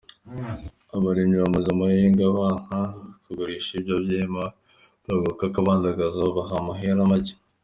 Abarimyi bamaze amayinga banka kugurisha ivyo vyema, bavuga ko abadandaza babaha amahera make.